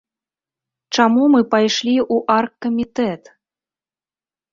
Чаму мы пайшлі ў аргкамітэт?